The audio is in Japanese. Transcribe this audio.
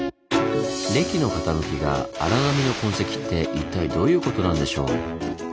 礫の傾きが荒波の痕跡って一体どういうことなんでしょう？